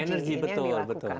ini yang dilakukan